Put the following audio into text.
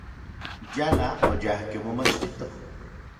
Yala oyajkej omomachtitoj.